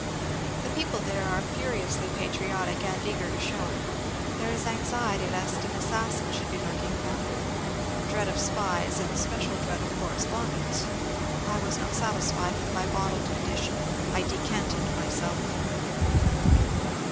The people there are furiously patriotic and eager to show it. There is anxiety lest an assas sin should be lurking about ; dread of spies, and special dread of correspondents. I was not satisfied with my bottled con dition. I decanted myself."